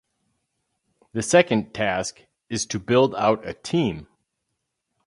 The second task is to build out a team.